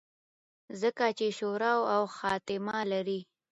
ځکه چې شورو او خاتمه لري